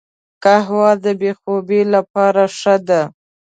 قهوه د بې خوبي لپاره ښه ده